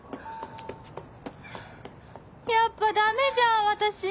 やっぱダメじゃん私！